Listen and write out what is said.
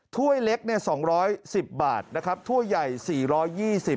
ถ้วยเล็ก๒๑๐บาทถ้วยใหญ่๔๒๐บาท